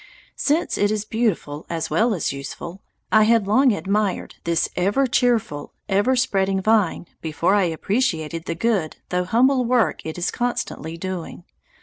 Since it is beautiful as well as useful, I had long admired this ever cheerful, ever spreading vine before I appreciated the good though humble work it is constantly doing.